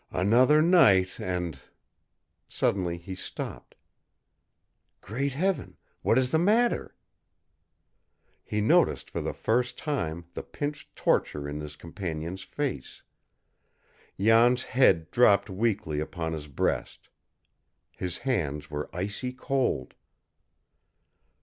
"Another night and " Suddenly he stopped. "Great Heaven, what is the matter?" He noticed for the first time the pinched torture in his companion's face. Jan's head dropped weakly upon his breast. His hands were icy cold.